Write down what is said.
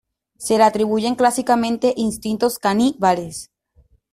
Se le atribuyen clásicamente instintos caníbales.